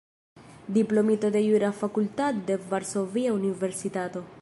Diplomito de Jura Fakultato de Varsovia Universitato.